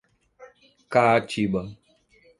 Caatiba